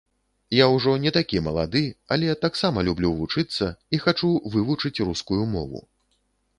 Я ўжо не такі малады, але таксама люблю вучыцца і хачу вывучыць рускую мову.